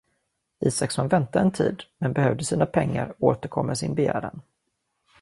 Isaksson väntade en tid, men behövde sina pengar och återkom med sin begäran.